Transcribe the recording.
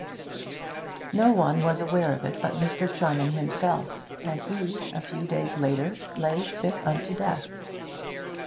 No one was aware of it but Mr. Charman himself and he, a few days later, lay sick unto death.